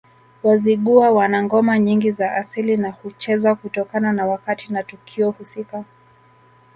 Wazigua wana ngoma nyingi za asili na huchezwa kutokana na wakati na tukio husika